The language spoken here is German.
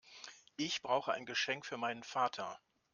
Ich brauche ein Geschenk für meinen Vater.